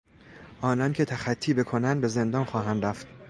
آنان که تخطی بکنند به زندان خواهند رفت.